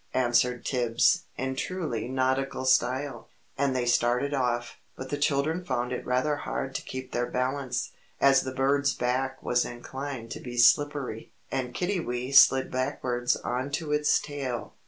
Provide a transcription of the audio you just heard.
answered Tibbs, in truly nautical style. And they started off. But the children found it rather hard to keep their balance, as the bird's back was inclined to be slippery, and Kiddiwee slid backwards on to its tail.